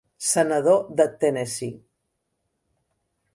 Senador de Tennessee.